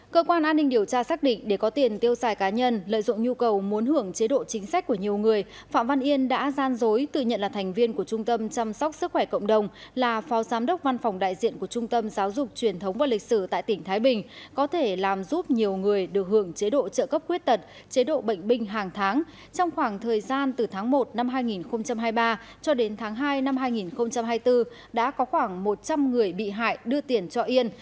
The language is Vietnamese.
cơ quan an ninh điều tra xác định để có tiền tiêu xài cá nhân lợi dụng nhu cầu muốn hưởng chế độ chính sách của nhiều người phạm văn yên đã gian dối tự nhận là thành viên của trung tâm chăm sóc sức khỏe cộng đồng là phao giám đốc văn phòng đại diện của trung tâm giáo dục truyền thống và lịch sử tại tỉnh thái bình có thể làm giúp nhiều người được hưởng chế độ trợ cấp quyết tật chế độ bệnh binh hàng tháng trong khoảng thời gian từ tháng một năm hai nghìn hai mươi ba cho đến tháng hai năm hai nghìn hai mươi bốn đã có khoảng một trăm linh người bị hại đưa tiền cho yên